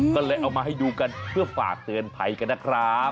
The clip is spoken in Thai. ก็เลยเอามาให้ดูกันเพื่อฝากเตือนภัยกันนะครับ